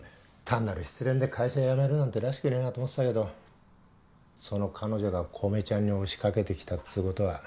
単なる失恋で会社辞めるなんてらしくねぇなと思ってたけどその彼女が小梅ちゃんに押しかけてきたっつうことは。